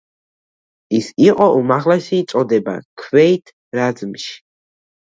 ის იყო უმაღლესი წოდება ქვეით რაზმში.